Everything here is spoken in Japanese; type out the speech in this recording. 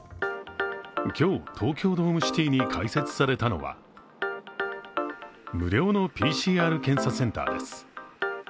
今日、東京ドームシティに開設されたのは無料のＰＣＲ検査センターです。